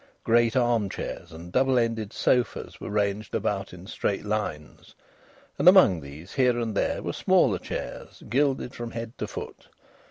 Great arm chairs and double ended sofas were ranged about in straight lines, and among these, here and there, were smaller chairs gilded from head to foot.